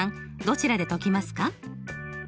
どちらで解きますか？